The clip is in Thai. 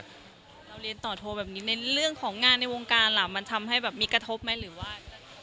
เราเรียนต่อโทรแบบนี้ในเรื่องของงานในวงการล่ะมันทำให้แบบมีกระทบไหมหรือว่า